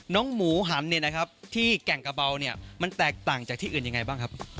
น้องหมูหันที่แก่งกระเบามันแตกต่างจากที่อื่นอย่างไรบ้างครับ